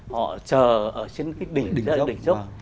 họ chờ ở trên cái đỉnh dốc